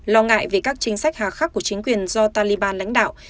lo ngại về các chính sách hạ khắc của chính quyền do taliban lãnh đạo